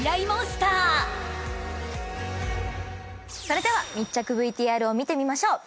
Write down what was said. それでは密着ＶＴＲを見てみましょう。